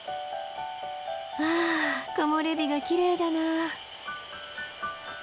わあ木漏れ日がきれいだな。